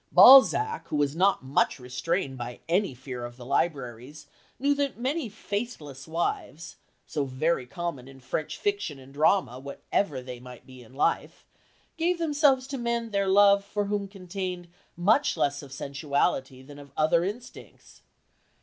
Balzac, who was not: much restrained by any fear of the libraries, knew that many faithless wives (so very common in French fiction and drama, whatever they might be in life) gave themselves to men their love for whom contained much less of sensuality than of other instincts.